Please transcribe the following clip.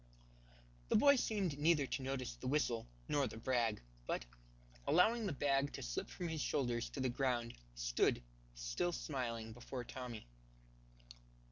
The boy seemed neither to notice the whistle nor the brag; but, allowing the bag to slip from his shoulders to the ground, stood, still smiling, before Tommy.